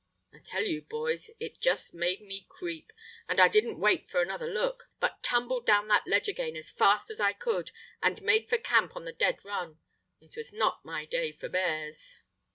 I tell you, boys, it just made me creep, and I didn't wait for another look, but tumbled down that ledge again as fast as I could and made for camp on the dead run. It was not my day for bears."